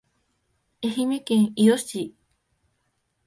愛媛県伊予市